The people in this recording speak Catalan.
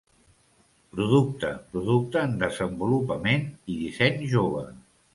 Producte, producte en desenvolupament i disseny jove.